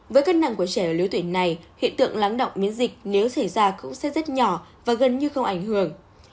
với cân nặng của trẻ ở lứa tuổi này hiện tượng lắng động miễn dịch nếu xảy ra cũng sẽ rất nhỏ và gần như không ảnh hưởng